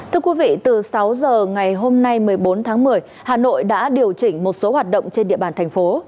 thưa quý vị từ sáu giờ ngày hôm nay một mươi bốn tháng một mươi hà nội đã điều chỉnh một số hoạt động trên địa bàn thành phố